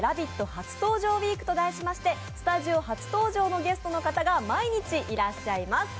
初登場ウィークと題しましてスタジオ初登場のゲストの方が毎日いらっしゃいます。